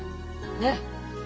ねっ？